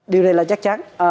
điều này là chắc chắn